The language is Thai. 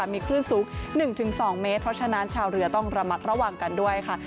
มีคลื่นสูง๑๒เมตรเพราะฉะนั้นชาวเรือต้องระมัดระวังกันด้วยค่ะ